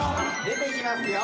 出てきますよ。